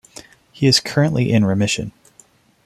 He is currently in remission.